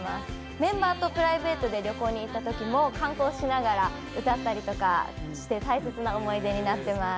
メンバーとプライベートで旅行に行ったときも観光しながら歌ったりとかして大切な思い出になっています。